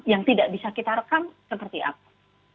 yang tidak bisa kita rekam seperti apa